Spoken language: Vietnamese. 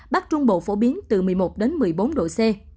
bắc trung bộ phổ biến từ một mươi một đến một mươi bốn độ c